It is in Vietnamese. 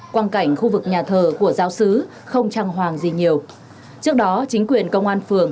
quan cảnh khu vực nhà thờ của giáo sứ không trang hoàng gì nhiều trước đó chính quyền công an phường